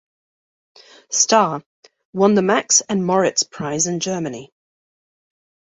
Star, won the Max and Moritz Prize in Germany.